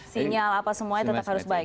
sinyal apa semuanya tetap harus baik